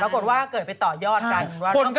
แต่ว่าเกิดไปต่อยอดกัน